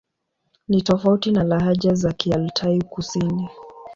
Ni tofauti na lahaja za Kialtai-Kusini.